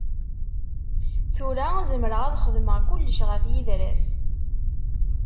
Tura zemreɣ ad xedmeɣ kullec ɣef yidra-s.